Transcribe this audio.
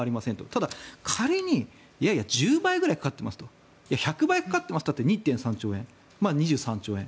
ただ仮にいやいや、１０倍ぐらいかかっていますと１００倍かかっていますといったって２．３兆円、２３兆円。